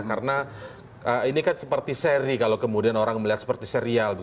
karena ini kan seperti seri kalau kemudian orang melihat seperti serial